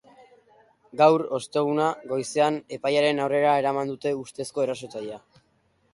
Gaur, osteguna, goizean, epailearen aurrera eraman dute ustezko erasotzailea.